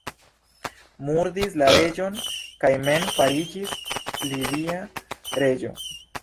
Murdis la reĝon kaj mem fariĝis lidia reĝo.